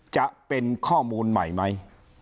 จะเป็นข้อมูลใหม่ไหม